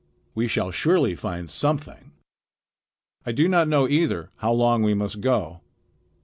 We shall surely find something. I do not know, either, how long we must go."